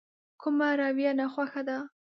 کومه رويه ناخوښه ده.